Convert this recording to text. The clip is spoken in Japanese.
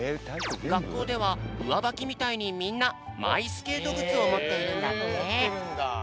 がっこうではうわばきみたいにみんなマイスケートぐつをもっているんだって。